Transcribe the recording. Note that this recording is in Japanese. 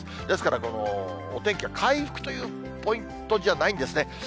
ですから、お天気は回復というポイントじゃないんですね。